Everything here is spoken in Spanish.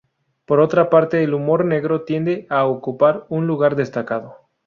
Por otra parte, el humor negro tiende a ocupar un lugar destacado.